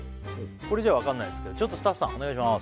これじゃ分かんないんですけどスタッフさんお願いします